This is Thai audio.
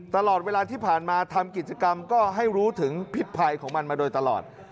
ตลอดเวลาที่ผ่านมาทำกิจกรรมก็ให้รู้ถึงพิษภัยของมันมาโดยตลอด